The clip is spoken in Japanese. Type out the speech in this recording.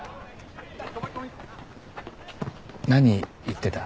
何言ってた？